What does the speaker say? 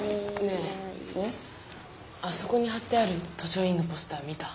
あそこにはってある図書委員のポスター見た？